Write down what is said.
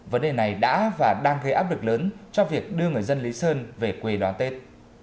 vấn đề này đã và đang gây áp lực lớn cho việc đưa người dân lý sơn về quê đón tết